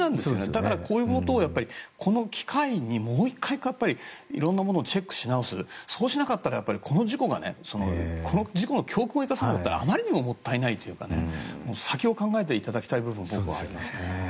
だから、こういうことをこの機会にもう１回、色んなものをチェックし直すそうしなかったらこの事故の教訓を生かさなかったらあまりにももったいないというか先を考えていただきたい部分でもありますね。